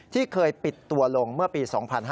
ที่เคยปิดตัวลงเมื่อปี๒๕๕๙